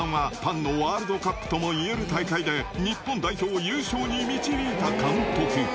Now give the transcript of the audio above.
店長の井上さんはパンのワールドカップともいえる大会で日本代表を優勝に導いた監督。